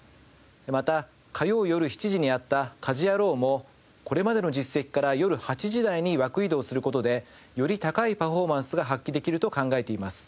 また火曜よる７時にあった『家事ヤロウ！！！』もこれまでの実績から夜８時台に枠移動する事でより高いパフォーマンスが発揮できると考えています。